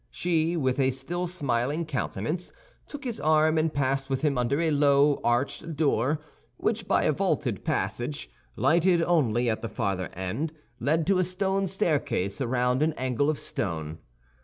She, with a still smiling countenance, took his arm, and passed with him under a low arched door, which by a vaulted passage, lighted only at the farther end, led to a stone staircase around an angle of stone.